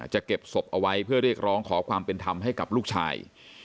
เก็บศพเอาไว้เพื่อเรียกร้องขอความเป็นธรรมให้กับลูกชาย